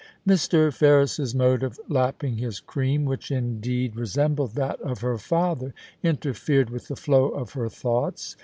Mr. Ferris's mode of lapping his cream, which, indeed. THE FERRIS MANAGE. 93 resembled that of her father, interfered with the flow of her thoughts.